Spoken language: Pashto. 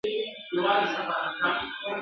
په میدان کي یې وو مړی غځېدلی ..